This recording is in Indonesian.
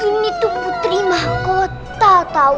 ini tuh putri mahkota